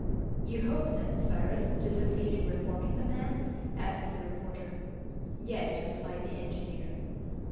"You hope, then, Cyrus, to succeed in reforming the man?" asked the reporter. "Yes," replied the engineer.